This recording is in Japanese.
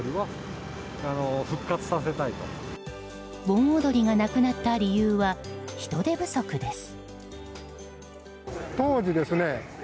盆踊りがなくなった理由は人手不足です。